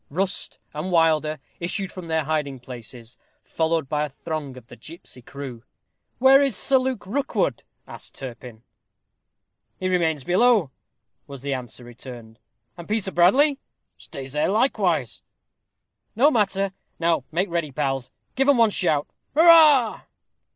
Rust and Wilder issued from their hiding places, followed by a throng of the gipsy crew. "Where is Sir Luke Rookwood?" asked Turpin. "He remains below," was the answer returned. "And Peter Bradley?" "Stays there likewise." "No matter. Now make ready, pals. Give 'em one shout Hurrah!"